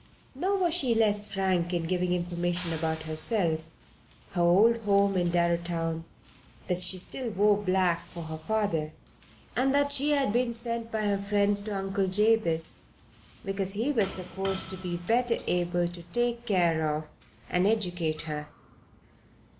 Nor was she less frank in giving information about herself, her old home, in Darrowtown, that she still wore black for her father, and that she had been sent by her friends to Uncle Jabez because he was supposed to be better able to take care of and educate her.